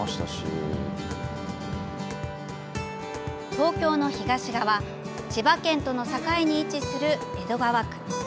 東京の東側、千葉県との境に位置する江戸川区。